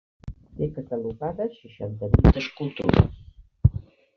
Té catalogades seixanta-vuit escultures.